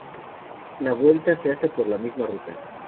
La vuelta se hace por la misma ruta.